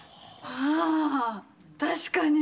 あー、確かに。